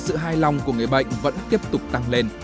sự hài lòng của người bệnh vẫn tiếp tục tăng lên